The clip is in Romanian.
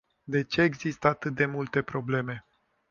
De ce există atât de multe probleme?